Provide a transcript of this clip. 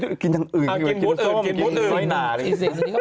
อีกอีกสิ่งหนึ่งนี้ของกินอสสม